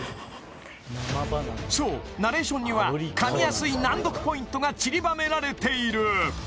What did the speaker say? そうナレーションには噛みやすい難読ポイントがちりばめられている